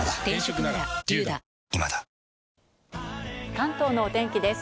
関東のお天気です。